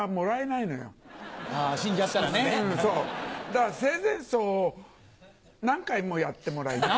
だから生前葬を何回もやってもらいたい。